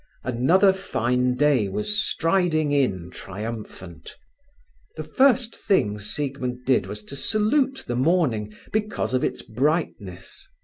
Another fine day was striding in triumphant. The first thing Siegmund did was to salute the morning, because of its brightness.